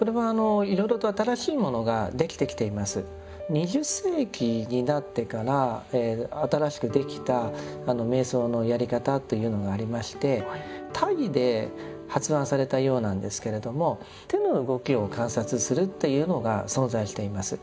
２０世紀になってから新しくできた瞑想のやり方というのがありましてタイで発案されたようなんですけれども手の動きを観察するっていうのが存在しています。